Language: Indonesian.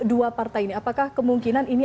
dua partai ini apakah kemungkinan ini